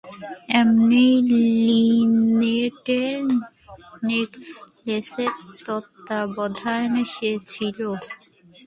এমনকি লিনেটের নেকলেসেরও তত্ত্বাবধায়নে সে ছিল।